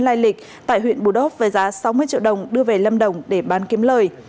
lai lịch tại huyện bù đốc với giá sáu mươi triệu đồng đưa về lâm đồng để bán kiếm lời